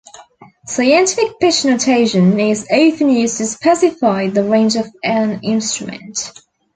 Scientific pitch notation is often used to specify the range of an instrument.